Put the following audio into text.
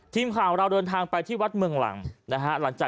ทีมข่าวเราเดินทางไปที่วัดเมืองหลังนะฮะ